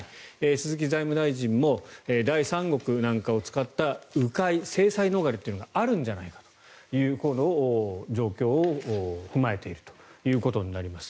鈴木財務大臣も第三国なんかを使った迂回制裁逃れがあるんじゃないかという状況を踏まえているということになります。